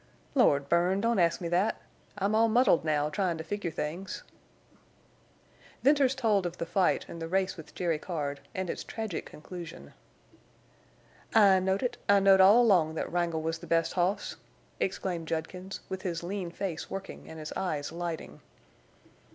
"Lord—Bern, don't ask me thet! I'm all muddled now tryin' to figure things." Venters told of the fight and the race with Jerry Card and its tragic conclusion. "I knowed it! I knowed all along that Wrangle was the best hoss!" exclaimed Judkins, with his lean face working and his eyes lighting.